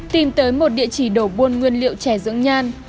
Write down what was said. tìm tới một địa chỉ đổ buôn nguyên liệu trẻ dưỡng nhan